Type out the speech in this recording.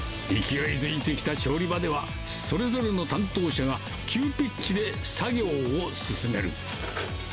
勢いづいてきた調理場では、それぞれの担当者が急ピッチで作業を進める。